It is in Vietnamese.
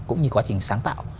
cũng như quá trình sáng tạo